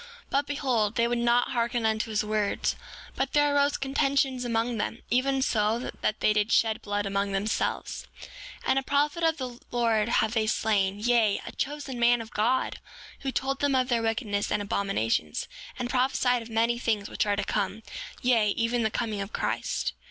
But behold, they would not hearken unto his words; but there arose contentions among them, even so much that they did shed blood among themselves. 7:26 And a prophet of the Lord have they slain; yea, a chosen man of God, who told them of their wickedness and abominations, and prophesied of many things which are to come, yea, even the coming of Christ.